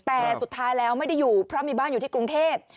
แต่สุดท้ายแล้วไม่ได้อยู่เพราะมีบ้านอยู่ที่กรุงเทพ